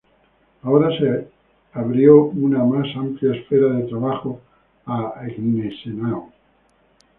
Ahora se abrió una más amplia esfera de trabajo a Gneisenau.